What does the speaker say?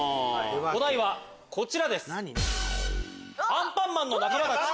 お題はこちらです。